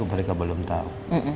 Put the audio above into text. mereka belum tahu